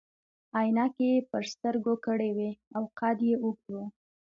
عینکې يې پر سترګو کړي وي او قد يې اوږد وو.